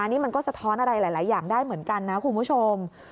นี่มันก็สะท้อนอะไรหลายอย่างได้เหมือนกันนะคุณผู้ชม